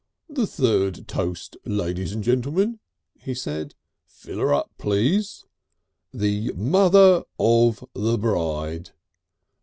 "The third Toast, ladies and gentlemen," he said; "fill up, please. The Mother of the bride.